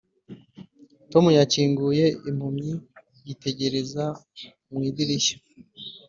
tom yakinguye impumyi yitegereza mu idirishya